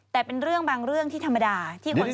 แต่เป็นเรื่องบางเรื่องที่ธรรมดาที่คน